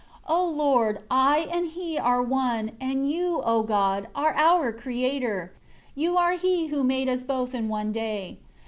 11 O Lord, I and he are one, and You, O God, are our Creator, You are He who made us both in one day.